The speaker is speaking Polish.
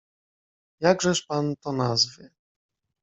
"Jakżeż pan to nazwie?"